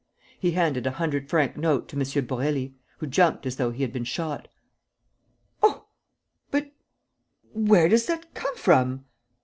He handed a hundred franc note to M. Borély, who jumped as though he had been shot: "Oh! ... But ... where does that come from?"